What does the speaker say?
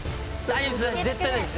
絶対大丈夫です。